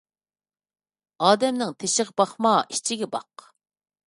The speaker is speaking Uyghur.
ئادەمنىڭ تېشىغا باقما، ئىچىگە باق.